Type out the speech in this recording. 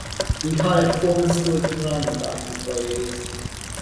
We hired former silicon roundabout employees.